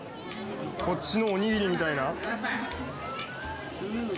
こっちのお握りみたいな？